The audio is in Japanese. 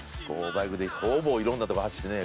丱ぅ琶㈪いろんなとこ走ってね。